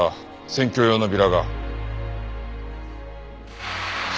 選挙用のビラ？